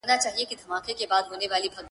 په لحد کي به نارې کړم زړه مي ډک له ارمانونو٫